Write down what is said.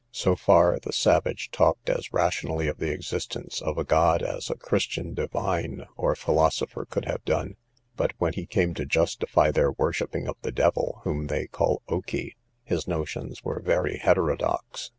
So far the savage talked as rationally of the existence of a God as a Christian divine or philosopher could have done; but when he came to justify their worshipping of the Devil, whom they call Okee, his notions were very heterodox.